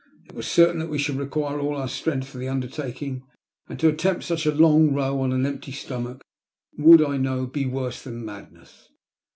It was certain we should require all oar strength for the undertaking, and to attempt such a long row on an empty stomach would, I knew, be worse than madness.